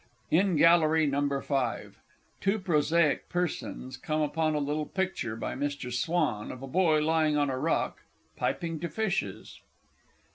_ IN GALLERY NO. V. _Two Prosaic Persons come upon a little picture, by Mr. Swan, of a boy lying on a rock, piping to fishes.